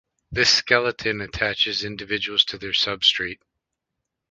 This skeleton attaches individuals to their substrate.